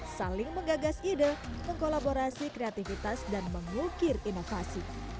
saling menggagas ide mengkolaborasi kreativitas dan mengukir inovasi